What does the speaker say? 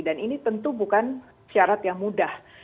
dan ini tentu bukan syarat yang mudah